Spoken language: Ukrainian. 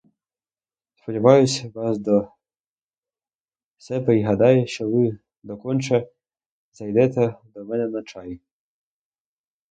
Сподіваюсь вас до себе й гадаю, що ви доконче зайдете до мене на чай.